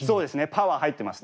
パワー入ってますね。